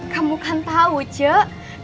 kamu kan tau ceng